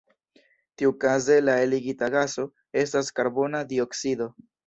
Tiukaze la eligita gaso estas karbona dioksido.